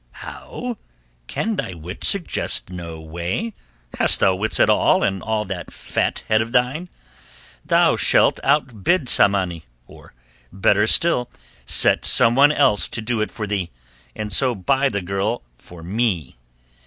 "How? Can thy wit suggest no way? Hast thou wits at all in that fat head of thine? Thou shalt outbid Tsamanni, or, better still, set someone else to do it for thee, and so buy the girl for me.